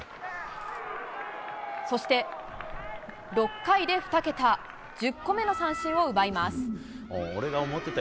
そして６回で２桁、１０個目の三振を奪います。